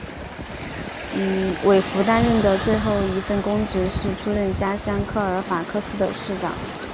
韦弗担任的最后一份公职是出任家乡科尔法克斯的市长。